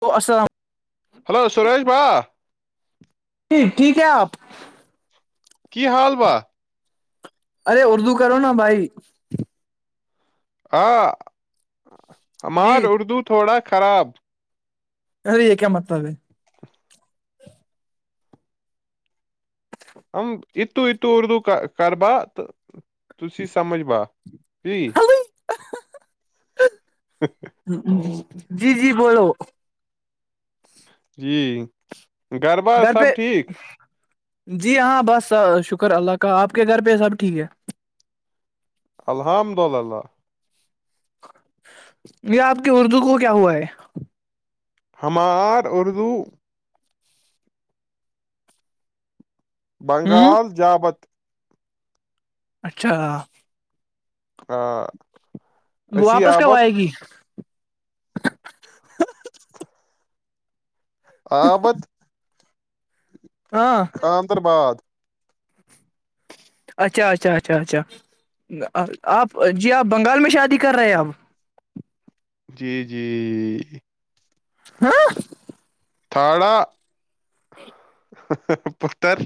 تو السلام ہلو سریش بھا ج ٹھیک ہے آپ کی حال با ارے اردو کرو نا بھائی ہا جی ہمار اردو تھوڑا خراب ارے یہک متاے ا اتو اتو اردو کا کر با تو ت سمجھ با جی اچھا [inaudible] جی جی بولو جی گھر پر سب ٹھیک جی ہاں بس شکر اللہ کا آپ کے گھر پہ سب ٹھیک ہے الحمد للہ یہ آپ کی اردو کو کیا ہوا ہے ہمار اردو ہ بنگال جابت اچھا ہا واپس کب آئے گی ہ [inaudible] آپت ہاں خاندربعاد اچھا اچھا اچھا اچھا آپ جی آپ بنگال میں شادی کر رہے ہیں اپ جی جی ہاں تھھڑا [unintelligible] پتر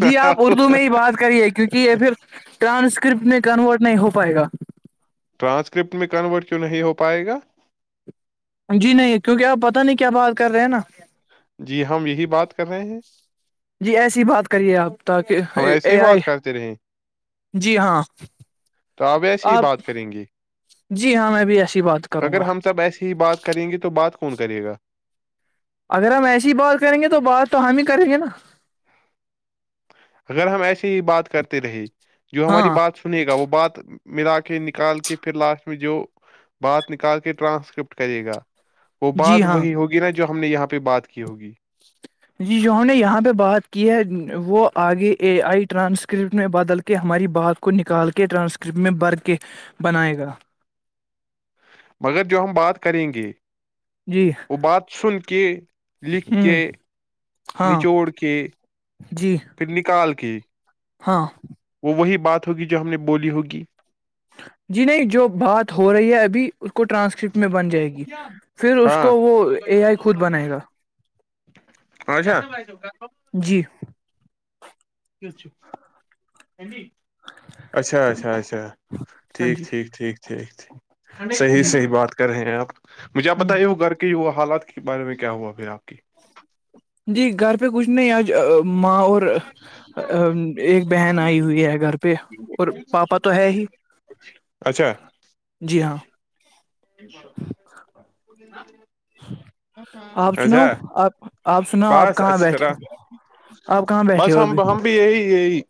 جی آپ اردو میں ہی بات کریے کیونکہ یہ پھر ٹرانسکرپٹ میں کنورٹ نہیں ہو پائے گا ٹرانسکرپٹ میں کنورٹ کیوں نہیں ہو پائے گا جی نہیں کیونکہ آپ پتا نہیں کیا بات کر رہے ہیں نا جی ایسی بات کریے آپ تاکہ ہم ایسی ہی اے آئی بات کرتے رہے جی ہاں تو آپ ایسی ہی بات کریں گے جی ہاں میں بھی ایسی بات کروں اگر گا ہم سب ایسی ہی بات کریں گے تو بات کو فون کریے گا اگر ہم ایسی بات کریں گے تو بات تو ہم ہی کریں گے نا اگر ہم ایسی ہی بات کرتے رہے جو ہماری ہاں بات سنے گا وہ بات ملا کے نکال کے پھر لاسٹ میں جو بات نکال کے ٹرانسکرپٹ کرے گا وہ جی بات ہاں وہی ہوگی نا جو ہم نے یہاں پہ بات کی ہوگی جی جہوں نے یہاں پہ بات کی ہے وہ آگے اے آئی ٹرانسکرپٹ میں بدل کے ہماری بات کو نکال کے ٹرانسکرپٹ میں بر کے بنائے گا مگر جو ہم بات کریں گے جی ابادسل کے لکھ ہوں کے ہاں نچوڑ کے جی پھر نکال کے [unintelligible] ہاں وہ وہی بات ہوگی جو ہم نے بولی ہوگی جی نہیں جو بات ہو رہی ہے ابھی اس کو ٹرانسکرپٹ میں بن جائے گی پھر اس ہاں کو وہ اے آئی خود بنائے گا اچھا اچھا جی [unintelligible] اچھا اچھا اچھا ہاں ٹھیک جی ٹھیک ٹھیک ٹھیک ٹھیک صحیح جی صحیح بات کر رہے ہیں ایپ مجھے آ ہ بتائی وہ گھر کے ہییا حالات کے بارے میں کیا ہوا پھر آپ کی جی گھر پہ کچھ نہیں آج ماں اور ایک بہن آئی ہوئی ہے گھر پہ اور پاپا تو ہے ہی اچھا جی ہاں [unintelligible] آپ [unintelligible] اچھا سناؤ آپ آپ سناؤ آپ بس کہاں اچھی بیٹھے طرح ہو آپ کہاں بیٹھے بس ہو ہم ابھی ہم بھی یہی یہی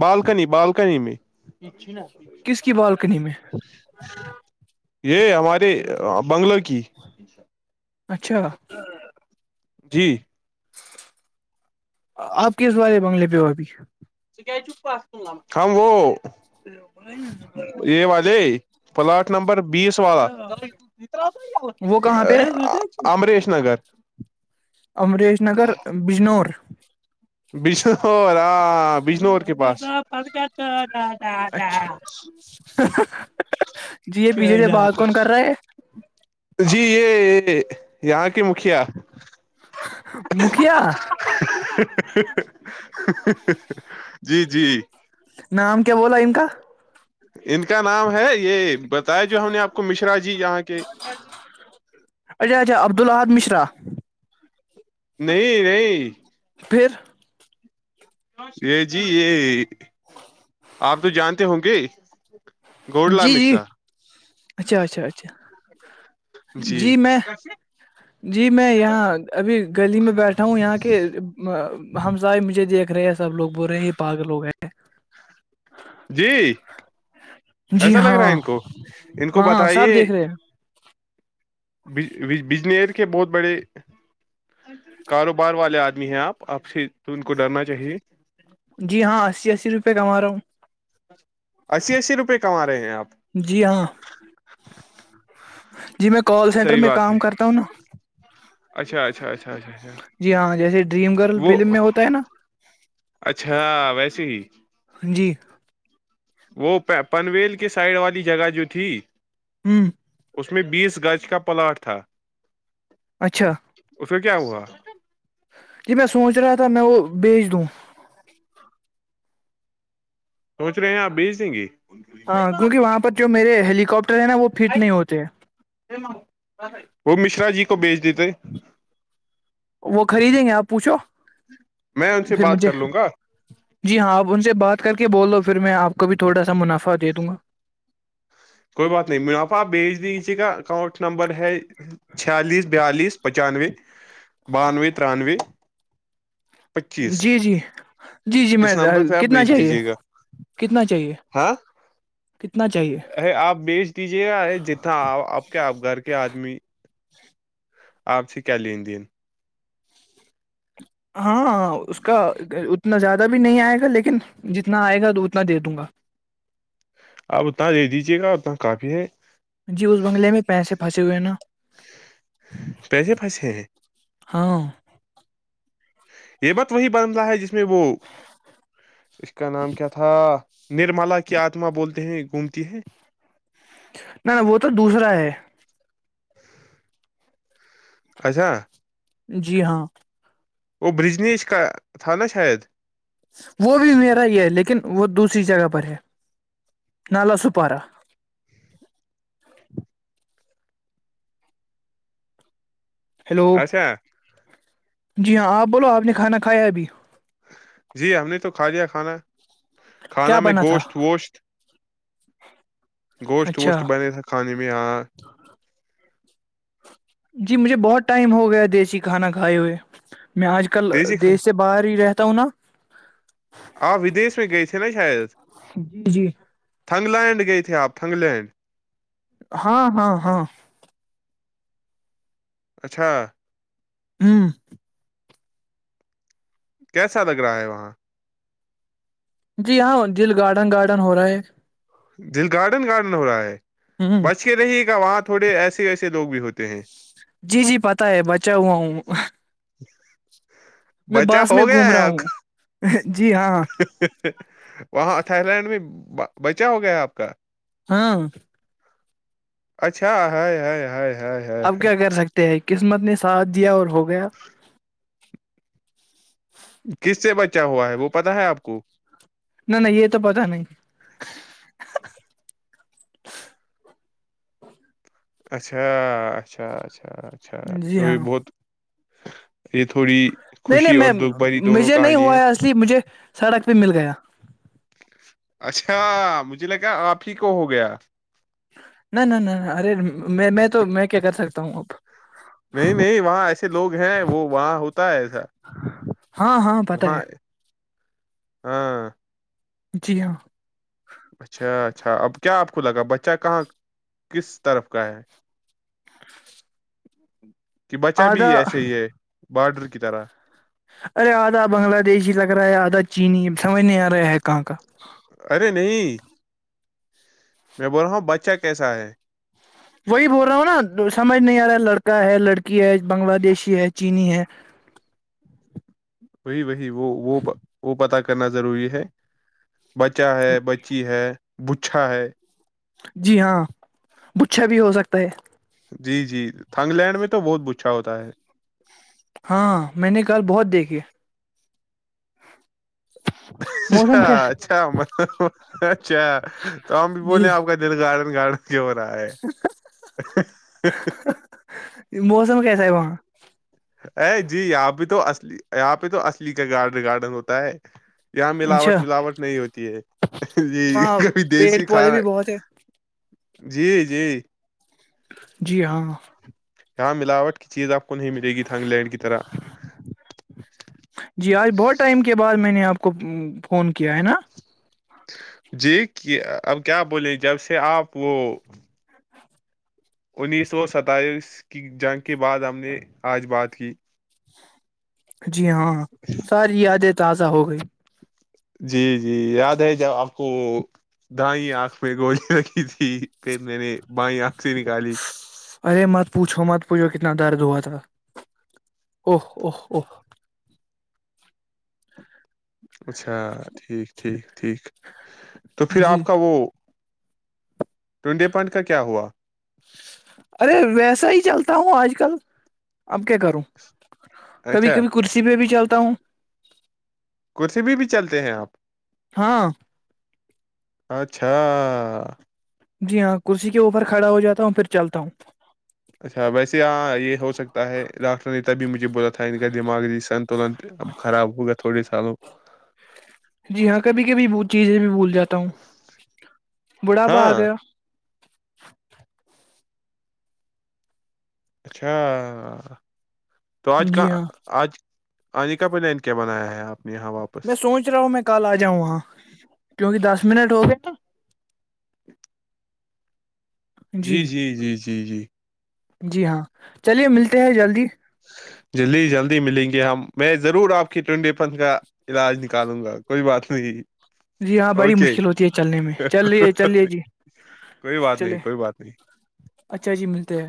بالکنی بالک کنی میں کس کی بالکنی میں یہ ہمارے بنگلو کی اچھا جی آپ کی سوالے بنگلے پہ ہو ابھی ٹ کیاز چک پسل لمت ہم وہ یہ والے پلاٹ نمبر بیس والا وہ کہاں پہ امریش نگر امریش نگر بجنور بجنور ہاں بجنور کے پاس اچھا جی یہ پیچھے دیر بات کون کر رہے ہے جی یہ یہاں کی مکھیا مکھیا جی جی ہ [inaudible] ان کا نام ہے یہ بتایا جو ہم نے آپ کو مشرا جی یہاں کے اچھا اچھا عبد الحاد مشرا نہیں نہیں پھر یہ جی یہ آپ تو جانتے ہوں گے گوڈلا جی جی مشرا اچھا اچھا اچھا ہاں جی جی میں یہاں ابھی گلی میں بیٹھا ہوں یہاں کے ہمسائے مجھے دیکھ رہے ہیں سب لوگ بول رہے ہی پاگ لوگ ہیں ایکٹ جی جی ایسا لگ رہا ہاں ہے ان کو ان کو ہاں بتائیے سب دیکھ رہے ہیں بجنیر کے بہت بڑے کاروبار والے آدمی ہیں آپ آپ سے تو ان کو ڈرنا چاہیے جی ہاں اسی اسی روپئے کما رہا ہوں اسی اسی روپئے کما رہے ہیں آپ جی ہاں جی میں کال سینٹر صحیح میں بات ہے کام کرتا ہوں اچھا اچھا اچھا اچا جی ہاں جیسے ڈریم گرل فلم میں ہوتا ہے نا اچھا ویسے ہی جی وہ پنویل کی سائڈ والی جگہ جو تھی ہوں اس میں بیس گج کا پلاٹ تھا اچھا اس پھر کیا ہوا یہ م یں سوچ رہا تھا میں وہ بیچ تووں سوچ رہے ہیں آپ بیج دیں گ ہاں کیونکہ وہاں پر جو میرے ہیلی ہے نا وہ فٹ نہیں ہوتے وہ مشرا جی کو بیچ دیتے وہ خریدیں گے آپ پوچھو میں ان سے پھر بات مجھے کر لوں گا جی ہاں آپ ان سے بات کر کے بول دوو پھر میں آپ کو بھی تھوڑا سا منافع دے دوں گا کوئی بات نہیں مناپا آپ بیج دییے کا اکانٹ نمبر ہے چھیالیس بیالیس پچانوے بانوے ترانے جی جی جی جی میں اس نمبر پہ آپ کتنا بھیج چاہیے دیجیے گا کتنا چاہیے ہاں کتنا چاہیے آپ بیج دیجے گا ارے جتنا آپ کے گھر کے آدمی آپ سے کیا لندین ہاں اس کا اتنا زیادہ بھی نہیں آئے گا لیکن جتنا آئے گا اتنا دے دوں گا آپت دج دیجیے گا اور وہاں کافی ہے جی اس بنگلے میں پیسے پھنسے ہوئے نا پیسے پھنسے ہیں ہاں یہ بت وہی بنتا ہے جس میں وہ اس کا نام کیا تھا نرملا کی آتما بولتے ہیں گھومتی ہیں نہ نہ وہ تو دوسرا ہے اچھا جی ہاں وہ برجنیج کا تھا نا شاید وہ بھی میرا ہی ہے لیکن وہ دوسری جگہ پر ہے نالا سپارا ہیلو اچھا جی ہاں آپ بولو آپ نے کھانا کھایا ہے ابھی جی ہم نے تو کھا لیا کھانا کیا کھانا میں بنا تھا گوشت ووشت گوشت اچھا ووشت بنے تھا کھانے میں ہاں جی مجھے بہت ٹائم ہو گیا دیسی کھانا کھائے ہوئے میں آج کل دیسی کھان دیش سے باہر ہی رہتا ہوں نا آپ ودیش میں گئے تھے نا شاید جی جی تھنگ لینڈ گئے تھے آپ تھنگ لینڈ ہاں ہاں ہاں اچھا ہوں کیسا لگ رہا ہے وہاں جی ہاں دل گارڈن گارڈن ہو رہا ہے ایک دل گارڈن گارڈن ہو رہا ہے ہ بچ کے رہ گا وہاں تھوڑے ایسے ایسے لوگ بھی ہوتے ہیں جی جی پتا ہے بچا ہوا ہوں میں بچہ باس میں ہو گیا گھوم رہا ہے آپ ہوں کا جی ہاں وہاں تھاائی لینڈ میں بچا ہو گیا آپ کا ہاں اچھا ہے اب کیا کر سکتے ہیں قسمت نے ساتھ دیا اور ہو گیا کس سے بچا ہوا ہے وہ پتا ہے آپ کو نہ نہ یہ تو پتا نہیں اچھا اچھا اچھا اچھا اچھا جی تو یہ ہاں بہت یہ تھوڑی نہیں نہیں خوشی اور میں دکھ بھری دونوں مجھے نہیں کہانی ہوا ہے اس لیے مجھے سڑک پہ مل گیا اچھا مجھ ج لگا آپ ہی کو ہو گیا نہ نہ نہ ارے میں میں تو میں کیا کر سکتا ہوں اب نہیں نہیں وہاں ایسے لوگ ہیں وہ وہاں ہوتا ہاں پتا ہے ہاں جی ہاں اچھا اچھا اب کیا آپ لگا بچہ کہاں کس طرف کا ہے کہ بچا بھی آدھا ایسے ہی یہ بارڈر کی طرح ارے آدھا بنگلہ دیش ہی لگ رہا ہے آدھا چینی سمجھ نہیں آ رہا ہے کہاں کا ارے نہیں میں بول رہا ہوں بچہ کیسا ہے وہی بول رہا ہوں نا سمجھ نہیں آ رہا ہے لڑکا ہے لڑکی ہے بنگلہ دیشی ہے چینی ہے وہی بی وہ وہ وہ پتا کر کرنا ضروری ہے بچہ ہے بچی ہے بچھا ہے جی ہاں بچھا بھی ہو سکتا ہے جی جی تھنگ لینڈ میں تو بہت گچھا ہوتا ہے ہاں میں نے کل بہت دیکھی اچھا موسم کیسا اچھا اچھا تو ہم بھی جی بولے آپ کا دل گار گاڑ جو رہا ہے موسم کیسا ہے وہاں ا جی یہاں پہ تو اصلی یہاں پہ تو اصلی کا گارڈن گارڈن ہوتا ہے یہاں اچھا ملاوٹ ملاوٹ نہیں ہوتی ہے وہاں یہ کھی پیڑ دیسی پودے کھانا بھی بہت ہے جی جی جی ہاں یہاں ملاوٹ کی چیز اب جی آج بہت ٹائم کے بعد میں نے آپ کو فون کیا ہے نا جی کہ اب کیا بولے جب سے آپ وہ انیس سو ستائیس کی جنگ کے بعد ہم نے آج بات کی جی ہاں ساری یادیں تازہ ہو گئی جی جی یاد ہے جب آپ کو دائیں آنکھ میں گولیاں رکھی تھی پھر میں نے بائیں آنکھ سے نکالی ارے مت پوچھو مت پوچھو کتنا درد ہوا تھا او او او اچھا ٹھیک ٹھیک ٹھیک تو پھر آپ جی کا وہ ٹنڈے پانڈ کا کیا ہوا ارے ویسا ہی چلتا ہو آج کل اب کیا کروں کبھی اچھا کبھی کرسی پہ بھی چلتی کتاوں ک بھی بھی چلتے ہیں آپ ہاں اچھا جی ہاں کرسی کے اوپر کھڑا ہو جاتا ہوں پھر چلتا ہوں اچھا ویسے ہاں یہ ہو سکتا ہے ڈاکٹر نے تبھی مجھے بولا تھا ان کا دماغ سنتولن اب خراب ہوگا تھوڑے سالوں جی ہاں کبھی کبھی چیزیں بھی بھول جاتا ہوں بڑھاپا آ ہاں گیا اچھا تو آج جی کااں ہاں آج آیکا پنین کیا بنایا ہے آپ نے یہاں میں واپس سوچ رہا ہوں میں کل آ جاؤں وہاں کیونکہ دس منٹ ہو گئے [unintelligible] [unintelligible] جی جی جی جی جی جی جی ہاں چلیے ملتے ہیں جلدی جلدی جلدی ملیں گے ہم میں ضرور آپ کی ٹینٹی ف کا علاج نکالوں گا کوئی بات نہیں جی ہاں بڑی اوکے مشکل ہوتی ہے چلنے میں چلے چلیے جی کوئی بات چلے نہیں کوئی بات نہیں اچھا جی ملتے ہیں